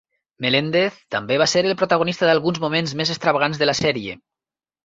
Melendez també va ser el protagonista d'alguns moments més extravagants de la sèrie.